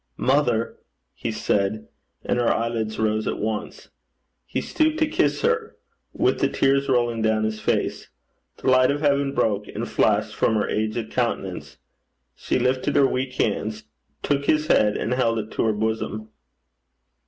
'Mother!' he said, and her eyelids rose at once. He stooped to kiss her, with the tears rolling down his face. The light of heaven broke and flashed from her aged countenance. She lifted her weak hands, took his head, and held it to her bosom.